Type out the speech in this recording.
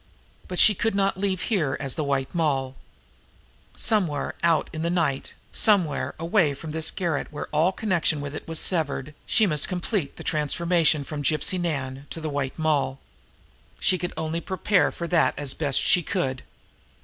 But she could not leave here as the White Moll. Somewhere, somewhere out in the night, somewhere away from this garret where all connection with it was severed, she must complete the transformation from Gypsy Nan to the White Moll. She could only prepare for that now as best she could.